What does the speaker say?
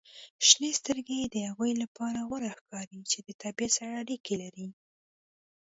• شنې سترګې د هغوی لپاره غوره ښکاري چې د طبیعت سره اړیکه لري.